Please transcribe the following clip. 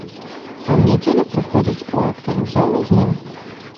А ў нядзелю прыходзяць у актавую залу зноў.